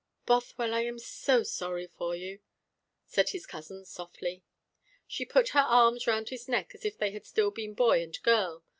"Bothwell, I am so sorry for you," said his cousin softly. She put her arms round his neck as if they had still been boy and girl.